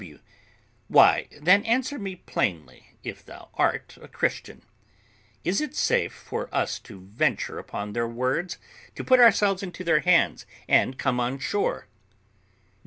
W. Why, then, answer me plainly, if thou art a Christian: Is it safe for us to venture upon their words, to put ourselves into their hands, and come on shore?